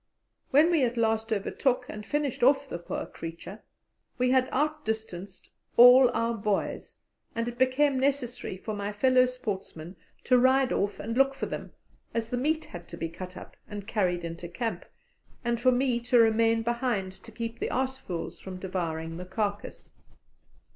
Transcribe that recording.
When we at last overtook and finished off the poor creature, we had out distanced all our "boys," and it became necessary for my fellow sportsman to ride off and look for them (as the meat had to be cut up and carried into camp), and for me to remain behind to keep the aas vogels from devouring the carcass.